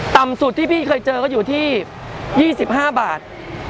ต่ำสูตรที่พี่เคยเจอก็อยู่ที่ยี่สิบห้าบาท